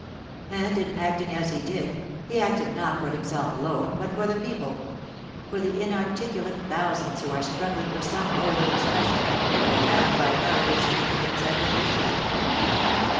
And, in acting as he did, he acted not for himself alone, but for the people; for the inarticulate thousands who are struggling for some mode of expression, but are bound by cowardice and ignorance and inertia.